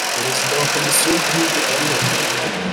Perezida wa Komisiyo y ‘Igihugu ariho.